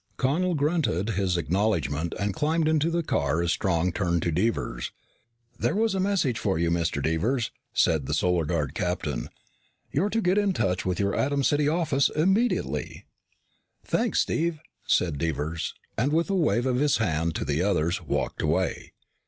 Connel grunted his acknowledgment and climbed into the car as Strong turned to Devers. "There was a message for you, Mr. Devers," said the Solar Guard captain. "You're to get in touch with your Atom City office immediately." "Thanks, Steve," said Devers, and with a wave of his hand to the others walked away.